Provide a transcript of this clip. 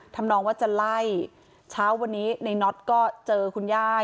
ทำนองว่าจะไล่เช้าวันนี้ในน็อตก็เจอคุณย่า